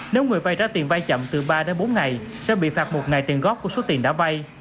nếu người bay ra tiền bay chậm từ ba đến bốn ngày sẽ bị phạt một ngày tiền góp của số tiền đã bay